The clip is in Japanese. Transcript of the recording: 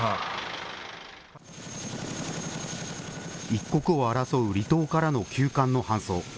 一刻を争う離島からの急患の搬送。